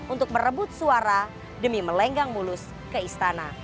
untuk merebut suara demi melenggang mulus ke istana